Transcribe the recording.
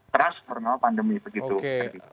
keras karena pandemi begitu